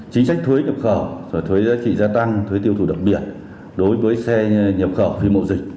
chính sách thuế nhập khẩu thuế giá trị gia tăng thuế tiêu thụ đặc biệt đối với xe nhập khẩu khi mậu dịch